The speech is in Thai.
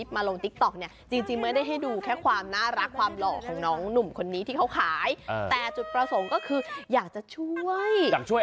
ละลายละลายละลายละลายละลายละลายละลายละลายละลายละลายละลายละลาย